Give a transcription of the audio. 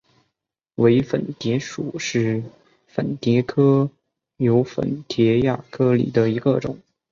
伪粉蝶属是粉蝶科袖粉蝶亚科里的一个属。